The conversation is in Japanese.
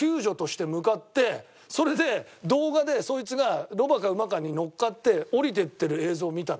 それで動画でそいつがロバか馬かに乗っかって下りていってる映像を見たの。